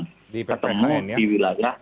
ketemu di wilayah